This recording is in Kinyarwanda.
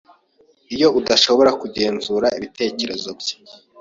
iyo adashobora kugenzura ibitekerezo bye